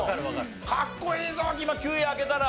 かっこいいぞ今９位開けたら。